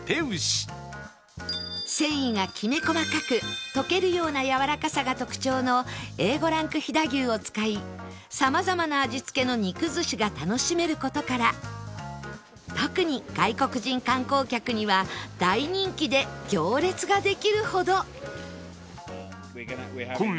繊維がきめ細かく溶けるようなやわらかさが特徴の Ａ５ ランク飛騨牛を使いさまざまな味付けの肉寿司が楽しめる事から特に外国人観光客には大人気で行列ができるほど！